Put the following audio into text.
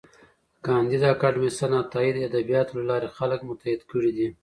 کانديد اکاډميسن عطايي د ادبياتو له لارې خلک متحد کړي دي.